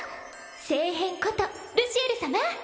聖変ことルシエル様！